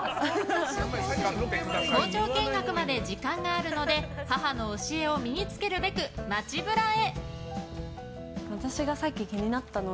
工場見学まで時間があるので母の教えを身に付けるべく街ブラへ。